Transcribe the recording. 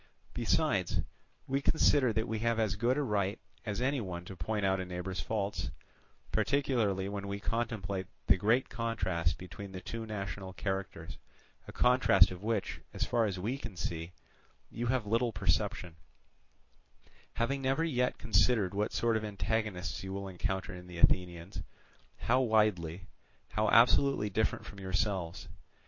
Besides, we consider that we have as good a right as any one to point out a neighbour's faults, particularly when we contemplate the great contrast between the two national characters; a contrast of which, as far as we can see, you have little perception, having never yet considered what sort of antagonists you will encounter in the Athenians, how widely, how absolutely different from yourselves.